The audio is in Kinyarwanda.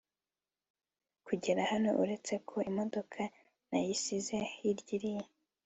kugera hano uretse ko imodoka nayisize hiryiriya